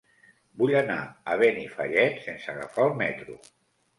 Vull anar a Benifallet sense agafar el metro.